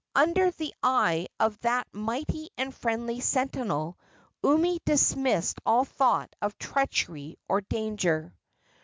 Under the eye of that mighty and friendly sentinel Umi dismissed all thought of treachery or danger.